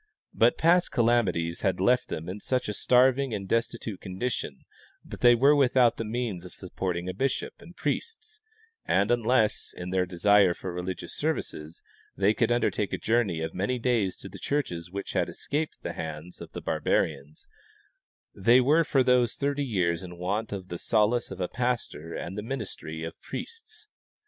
But past calamities had left them in such a starving and destitute condi tion that they were without the means of supporting a bishop and priests, and unless, in their desire for religious services, they could undertake a journey of many days to the churches which had escaped the hands of the barbarians, they were for those 30 years in want of the solace of a pastor and the ministry of piiests.